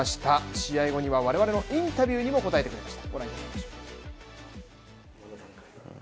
試合後には我々のインタビューにも答えてくれました。